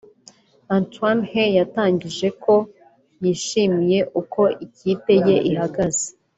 Antoine Hey yatangaje ko yishimiye uko ikipe ye ihagaze